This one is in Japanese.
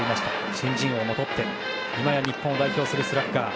新人王もとって今や日本を代表するスラッガー。